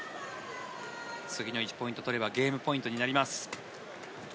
次の１ポイントを取ればゲームポイントになります。